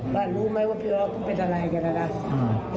ป้ารู้ไหมว่าพี่อ๊อกก็เป็นอะไรกันอะนะ